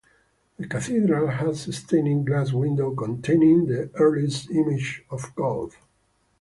The cathedral has a stained glass window containing the earliest images of golf.